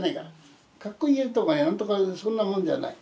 かっこいいとか何とかそんなもんじゃない。